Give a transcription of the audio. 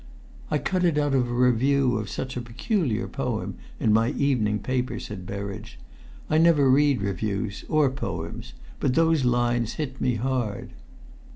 "I cut it out of a review of such a peculiar poem in my evening paper," said Berridge. "I never read reviews, or poems, but those lines hit me hard."